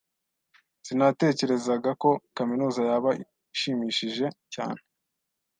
Sinatekerezaga ko kaminuza yaba ishimishije cyane.